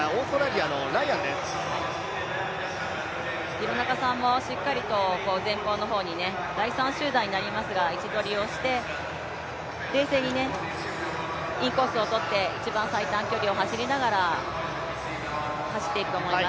廣中さんもしっかりと前方の方に、第３集団にはなりますが位置取りをして、冷静にインコースをとって、一番最短距離を走っていると思います。